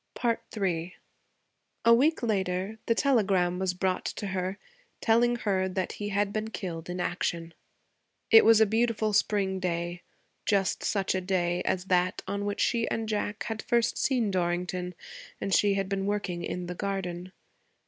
III A week later the telegram was brought to her telling her that he had been killed in action. It was a beautiful spring day, just such a day as that on which she and Jack had first seen Dorrington, and she had been working in the garden.